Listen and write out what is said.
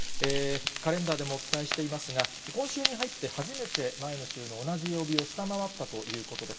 カレンダーでもお伝えしていますが、今週に入って初めて前の週の同じ曜日を下回ったということです。